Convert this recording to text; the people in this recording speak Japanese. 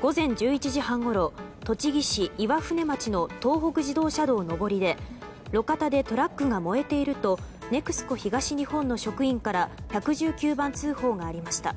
午前１１時半ごろ栃木市岩舟町の東北自動車道上りで路肩でトラックが燃えているとＮＥＸＣＯ東日本の職員から１１９番通報がありました。